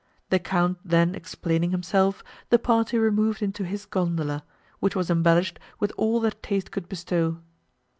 The Count then explaining himself, the party removed into his gondola, which was embellished with all that taste could bestow.